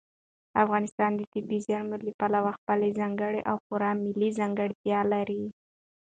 افغانستان د طبیعي زیرمې له پلوه خپله ځانګړې او پوره ملي ځانګړتیا لري.